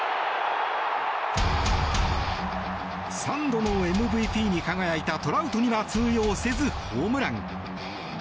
３度のＭＶＰに輝いたトラウトには通用せずホームラン。